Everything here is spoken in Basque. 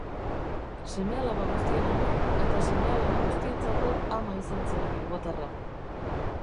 Seme-alaba guztien ama eta sema-alaba guztientzako ama izan zen bilbotarra.